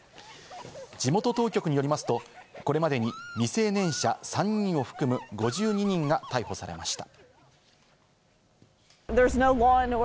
地元当局によりますと、これまでに未成年者３人を含む５２人が逮捕されました。